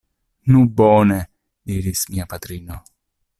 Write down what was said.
Nu bone! diris mia patrino.